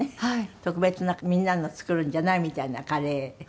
特別なみんなの作るんじゃないみたいなカレー。